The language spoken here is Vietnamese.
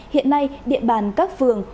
hiện nay địa bàn các phường